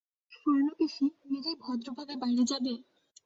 স্বর্ণকেশী, নিজেই ভদ্রভাবে বাইরে যাবে?